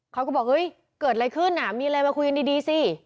เขาก็บอกเฮ้ยเกิดอะไรขึ้นมีอะไรมาคุยกันดีสิ